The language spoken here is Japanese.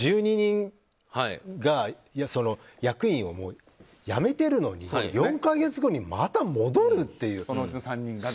１２人が役員を辞めているのに４か月後にまた戻るっていう。